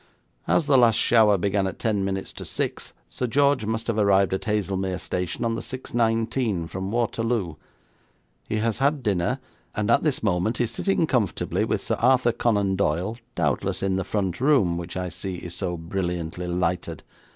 'As the last shower began at ten minutes to six, Sir George must have arrived at Haslemere station on the 6.19 from Waterloo. He has had dinner, and at this moment is sitting comfortably with Sir Arthur Conan Doyle, doubtless in the front room, which I see is so brilliantly lighted.